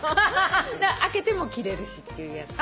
開けても着れるしっていうやつ。